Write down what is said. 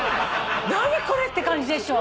何これ！？って感じでしょ。